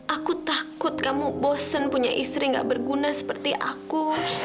aku takut kamu bosen punya istri gak berguna seperti aku